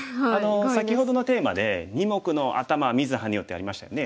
先ほどのテーマで「二目のアタマは見ずハネよ！」ってありましたよね。